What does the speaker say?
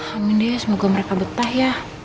amin deh semoga mereka betah ya